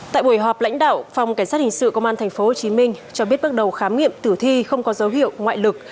tại buổi họp lãnh đạo phòng cảnh sát hình sự công an tp hcm cho biết bước đầu khám nghiệm tử thi không có dấu hiệu ngoại lực